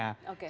dan itu semua